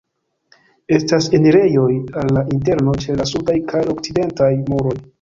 Estas enirejoj al la interno ĉe la sudaj kaj okcidentaj muroj.